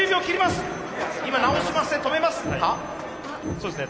そうですね